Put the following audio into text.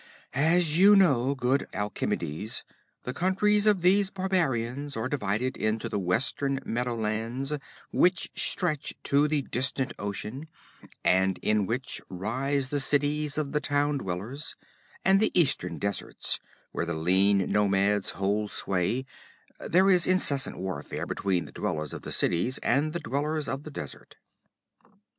As you know, good Alcemides, the countries of these barbarians are divided into the western meadowlands which stretch to the distant ocean, and in which rise the cities of the town dwellers, and the eastern deserts, where the lean nomads hold sway; there is incessant warfare between the dwellers of the cities and the dwellers of the desert.